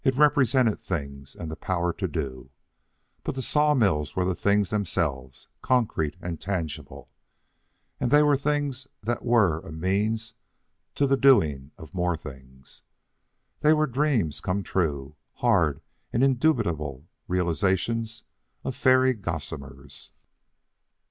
It represented things and the power to do. But the sawmills were the things themselves, concrete and tangible, and they were things that were a means to the doing of more things. They were dreams come true, hard and indubitable realizations of fairy gossamers.